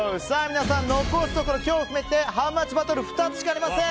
皆さん、残すところ今日を含めてハウマッチバトル２つしかありません。